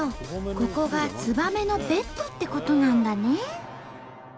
ここがツバメのベッドってことなんだね。